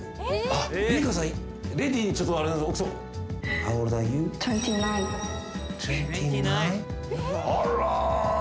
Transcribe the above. あら。